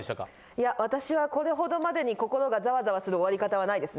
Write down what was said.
いや私はこれほどまでに心がザワザワする終わり方はないです。